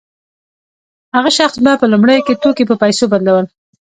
هغه شخص به په لومړیو کې توکي په پیسو بدلول